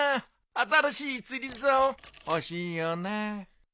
新しい釣りざお欲しいよな。